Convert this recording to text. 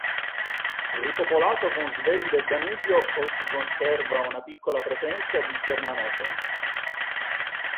Ripopolato con Svevi del Danubio, oggi conserva una piccola presenza di germanofoni.